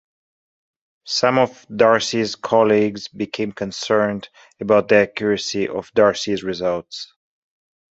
Some of Darsee's colleagues became concerned about the accuracy of Darsee's results.